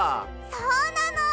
そうなの！